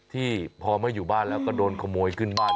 ที่พอไม่อยู่บ้านแล้วก็โดนขโมยขึ้นบ้าน